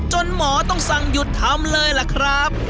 หมอต้องสั่งหยุดทำเลยล่ะครับ